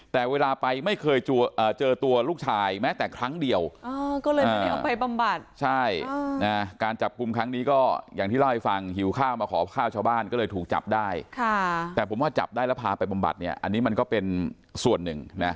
แต่ผมว่าจับได้แล้วพาไปปรบรับบัติส่วนหนึ่ง